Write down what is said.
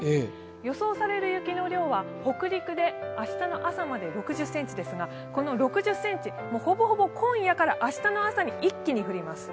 予想される雪の量は北陸で明日の朝まで６０ｃｍですがこの６０ｃｍ、ほぼほぼ今夜から明日の朝にかけて一気に降ります。